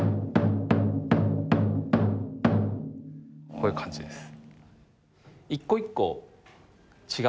こういう感じです。